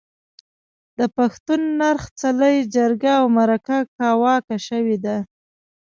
د پښتون نرخ، څلی، جرګه او مرکه کاواکه شوې ده.